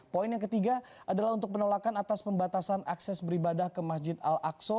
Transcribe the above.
poin yang ketiga adalah untuk penolakan atas pembatasan akses beribadah ke masjid al aqsa